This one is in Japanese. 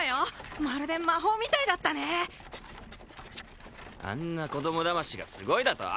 まるで魔法みたいだったねチッあんな子供だましがすごいだと？